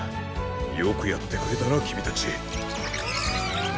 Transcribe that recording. よくやってくれたなきみたち。